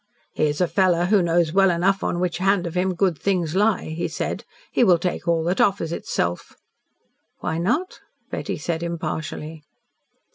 "He is a fellow who knows well enough on which hand of him good things lie," he said. "He will take all that offers itself." "Why not?" Betty said impartially.